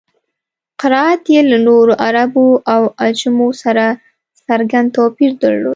قرائت یې له نورو عربو او عجمو سره څرګند توپیر درلود.